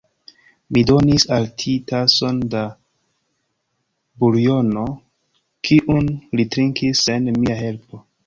Mi donis al li tason da buljono, kiun li trinkis sen mia helpo.